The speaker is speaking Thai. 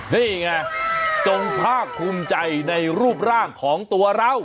นี่ไงจงภาคภูมิใจในรูปร่างของตัวเรา